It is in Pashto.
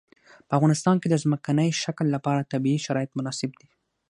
په افغانستان کې د ځمکنی شکل لپاره طبیعي شرایط مناسب دي.